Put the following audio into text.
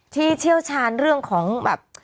เชี่ยวชาญเรื่องของแบบ